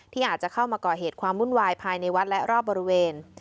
อาจจะเข้ามาก่อเหตุความวุ่นวายภายในวัดและรอบบริเวณ